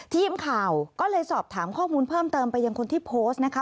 ทีมข่าวก็เลยสอบถามข้อมูลเพิ่มเติมไปยังคนที่โพสต์นะคะ